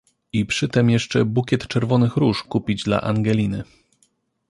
"I przytem jeszcze bukiet czerwonych róż kupić dla Angeliny!"